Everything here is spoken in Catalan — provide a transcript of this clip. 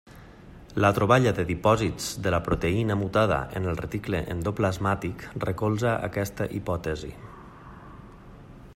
La troballa de dipòsits de la proteïna mutada en el reticle endoplasmàtic recolza aquesta hipòtesi.